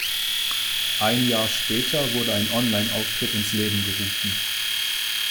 Ein Jahr später wurde ein Online-Auftritt ins Leben gerufen.